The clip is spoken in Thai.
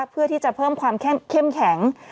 เพื่อที่จะเพิ่มความเข้มแข็ง